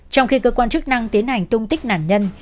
trong khi cơ quan chức năng tiến hành tung tích nạn nhân